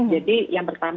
jadi yang pertama